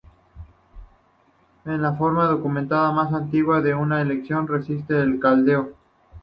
Es la forma documentada más antigua de una aleación resistente al caldeo.